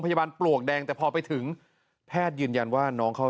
อย่างเล็กอยู่มากนะ